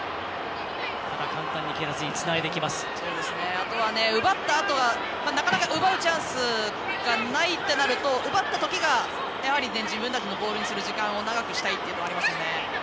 あとは、奪ったあとはなかなか奪うチャンスがないってなると奪ったときがやはり自分たちのボールにする時間を長くしたいというのがありますよね。